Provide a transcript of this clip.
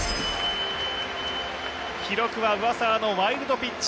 記録は上沢のワイルドピッチ。